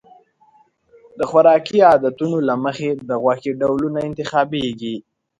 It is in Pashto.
د خوراکي عادتونو له مخې د غوښې ډولونه انتخابېږي.